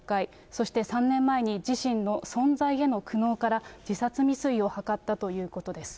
そして３年前に自身の存在への苦悩から、自殺未遂を図ったということです。